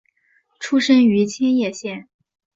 出身于千叶县。